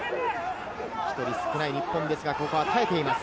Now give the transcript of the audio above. １人少ない日本ですが、耐えています。